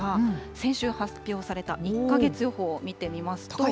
先週発表された１か月予報を見てみますと。